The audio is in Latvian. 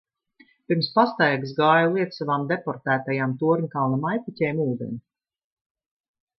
Pirms pastaigas gāju liet savām deportētajām Torņakalna maijpuķēm ūdeni.